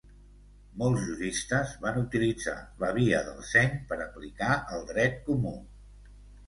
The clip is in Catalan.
Molts juristes van utilitzar la via del seny per aplicar el dret comú.